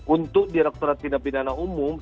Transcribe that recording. untuk direkturat tindak pidana umum